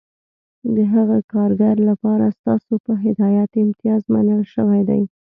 د هغه کارګر لپاره ستاسو په هدایت امتیاز منل شوی دی